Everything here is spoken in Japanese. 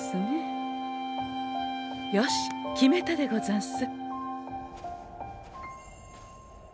よし決めたでござんす！